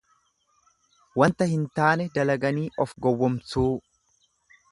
Wanta hin taane dalaganii of gowwomsuu.